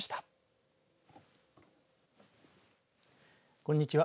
こんにちは。